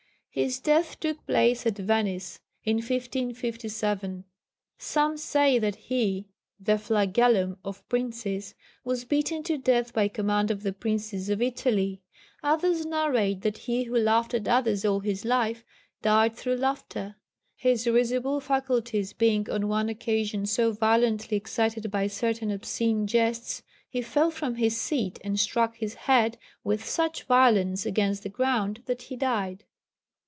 His death took place at Venice in 1557. Some say that he, the flagellum of princes, was beaten to death by command of the princes of Italy; others narrate that he who laughed at others all his life died through laughter. His risible faculties being on one occasion so violently excited by certain obscene jests, he fell from his seat, and struck his head with such violence against the ground that he died.